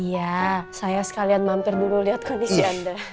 iya saya sekalian mampir dulu lihat kondisi anda